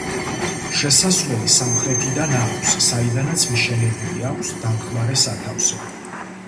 შესასვლელი სამხრეთიდან აქვს, საიდანაც მიშენებული აქვს დამხმარე სათავსო.